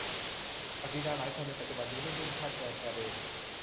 ศักดินาหลายคนในปัจจุบันนี้ ไม่นุ่งผ้าโจงกระเบน